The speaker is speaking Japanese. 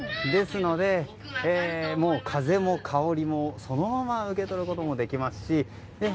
ですので、風も香りもそのまま受け取ることができますし。